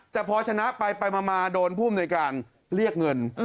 แต่พอชนะไปไปมาโดนผู้มนุษยาการเรียกเงิน